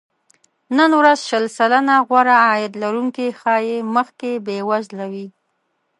نن ورځ شل سلنه غوره عاید لرونکي ښايي مخکې بې وزله وي